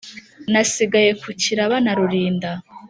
nasigaye ku kiraba na rulinda